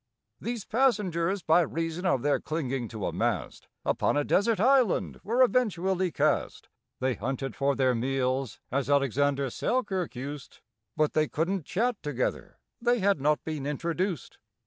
These passengers, by reason of their clinging to a mast, Upon a desert island were eventually cast. They hunted for their meals, as ALEXANDER SELKIRK used, But they couldn't chat together—they had not been introduced.